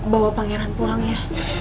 bawa pangeran pulang ya